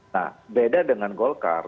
nah beda dengan golkar